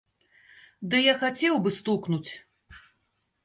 Ды я хацеў быў стукнуць!